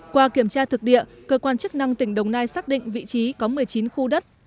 qua kiểm tra thực địa cơ quan chức năng tỉnh đồng nai xác định vị trí có một mươi chín khu đất